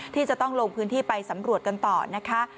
ที่จะต้องลงพื้นที่ไปสำรวจกันต่อนะคะ